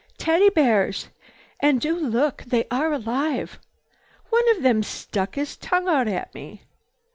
Teddy bears! And do look! They are alive! One of them stuck his tongue out at me!"